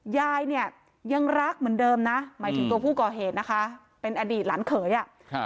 ยายเนี่ยยังรักเหมือนเดิมนะหมายถึงตัวผู้ก่อเหตุนะคะเป็นอดีตหลานเขยอ่ะครับ